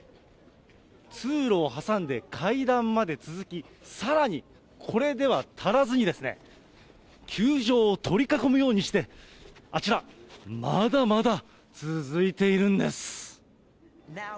通路を挟んで階段まで続き、さらにこれでは足らずにですね、球場を取り囲むようにして、あちら、まだまだ続いているんです。